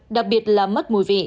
đặc biệt là mất mùi vị